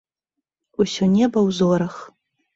Усё неба ў зорах!